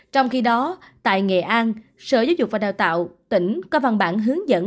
trong khi đó tại nghệ an sở giáo dục và đào tạo tỉnh có văn bản hướng dẫn